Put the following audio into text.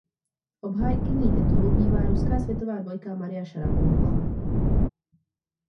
Obhájkyní titulu byla ruská světová dvojka Maria Šarapovová.